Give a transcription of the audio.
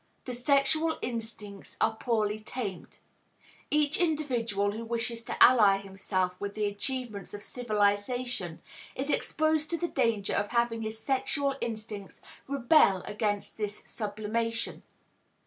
The sexual instincts are poorly tamed. Each individual who wishes to ally himself with the achievements of civilization is exposed to the danger of having his sexual instincts rebel against this sublimation.